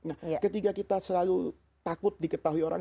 nah ketika kita selalu takut diketahui orang